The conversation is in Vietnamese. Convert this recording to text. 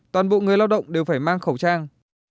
toàn bộ người lao động đều phải mang khẩu trang